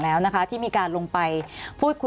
สวัสดีครับทุกคน